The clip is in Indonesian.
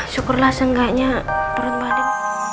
syukurlah seenggaknya turun mbak andin